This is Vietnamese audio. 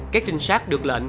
các trinh sát được lệnh